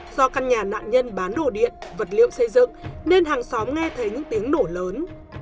do căn nhà nạn nhân bán đồ điện vật liệu xây dựng nên hàng xóm nghe thấy những tiếng nổ lớn